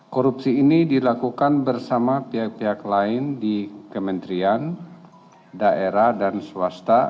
korupsi ini dilakukan bersama pihak pihak lain di kementerian daerah dan swasta